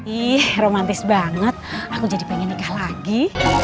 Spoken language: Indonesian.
ih romantis banget aku jadi pengen nikah lagi